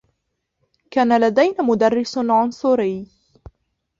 كان لدينا مدرّس عنصري.